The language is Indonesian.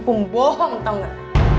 kamu pembohong tau gak